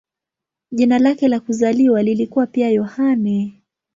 Jina lake la kuzaliwa lilikuwa pia "Yohane".